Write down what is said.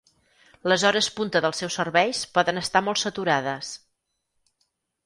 Les hores punta dels seus serveis poden estar molt saturades.